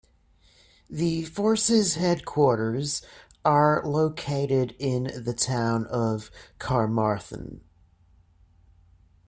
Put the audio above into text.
The force's headquarters are located in the town of Carmarthen.